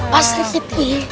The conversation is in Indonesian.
pas di siti